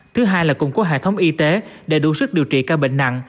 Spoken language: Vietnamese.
thứ hai là củng cố hệ thống y tế để đủ sức điều trị ca bệnh nặng